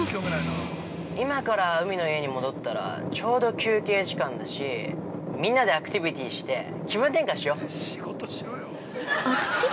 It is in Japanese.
今から海の家に戻ったらちょうど休憩時間だしみんなでアクティビティして気分転換しよう。